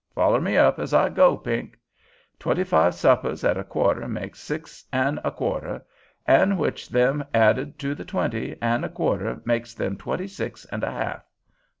Foller me up, as I go up, Pink. Twenty five suppers at a quarter makes six an' a quarter, an' which them added to the twenty an' a quarter makes them twenty six an' a half.